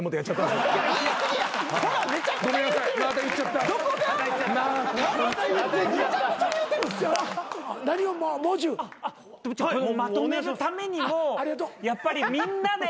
まとめるためにもやっぱりみんなでタコ占い。